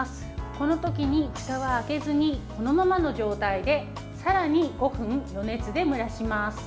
この時にふたは開けずにこのままの状態でさらに５分、余熱で蒸らします。